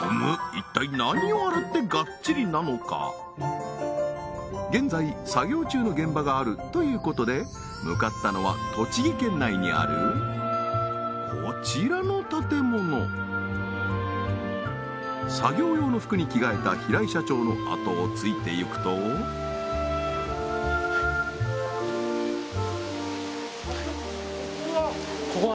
一体現在作業中の現場があるということで向かったのは栃木県内にあるこちらの建物作業用の服に着替えた平井社長のあとをついていくとここは？